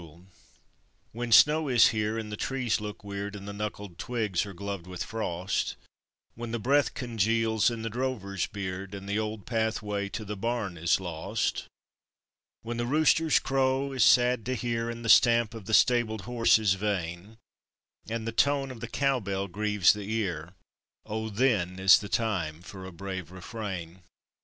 "] When snow is here, and the trees look weird, And the knuckled twigs are gloved with frost; When the breath congeals in the drover's beard, And the old pathway to the barn is lost: When the rooster's crow is sad to hear, And the stamp of the stabled horse is vain, And the tone of the cow bell grieves the ear O then is the time for a brave refrain!